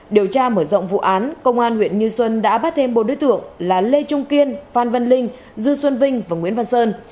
điều tra mở rộng vụ án công an huyện như xuân đã bắt thêm bốn đối tượng là lê trung kiên phan văn linh dư xuân vinh và nguyễn văn sơn